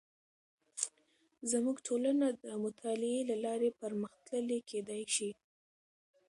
زموږ ټولنه د مطالعې له لارې پرمختللې کیدې شي.